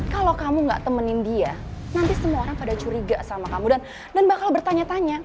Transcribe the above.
kalau kamu gak temenin dia nanti semua orang pada curiga sama kamu dan bakal bertanya tanya